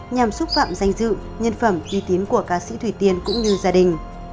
nhằm xúc phạm danh dự nhân phẩm uy tín của ca sĩ thủy tiên cũng như gia đình